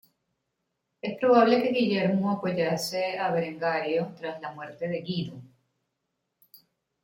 Es probable que Guillermo apoyase a Berengario tras la muerte de Guido.